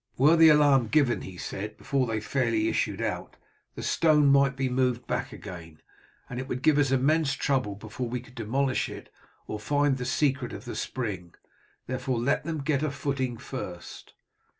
"Were the alarm given," he said, "before they fairly issued out the stone might be moved back again, and it would give us immense trouble before we could demolish it or find the secret of the spring. Therefore, let them get a footing first."